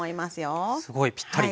あっすごいぴったり。